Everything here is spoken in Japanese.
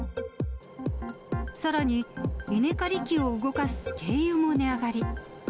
さらに稲刈り機を動かす軽油も値上がり。